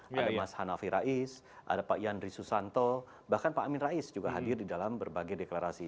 ada mas hanafi rais ada pak yandri susanto bahkan pak amin rais juga hadir di dalam berbagai deklarasi